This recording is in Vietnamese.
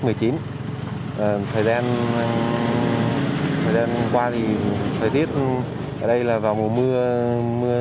thời gian qua thì thời tiết ở đây là vào mùa mưa